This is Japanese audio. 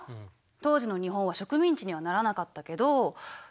当時の日本は植民地にはならなかったけど確かに。